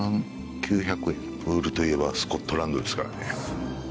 ウールといえばスコットランドですからね。